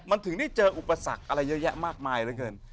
มันถึงได้เจออุปสรรคอะไรเยอะแยะมากมายเหลือเกิน